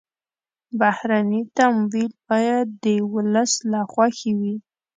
بهرني تمویل باید د ولس له خوښې وي.